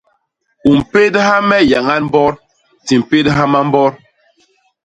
U mpédha me yañañ mbot; di mpédha mambot.